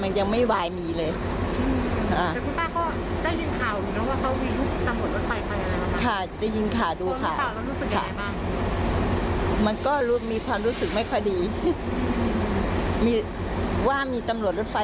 กังวลมากค่ะเพราะว่าตอนนี้อัดยากรมันเยอะขนาดมีตำรวจรถไฟ